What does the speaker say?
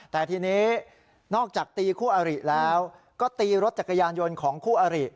แต่ทีนี้นอกจากตีคู่อริแล้วก็ตีรถจักรยานยนต์ของคู่อริ